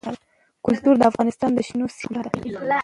کلتور د افغانستان د شنو سیمو ښکلا ده.